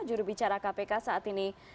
juru bicara kpk saat ini